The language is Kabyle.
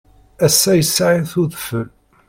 Ass-a, issaɣ-itt udfel.